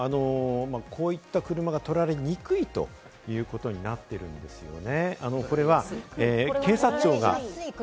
こういった車が取られにくいということになっているんですよね。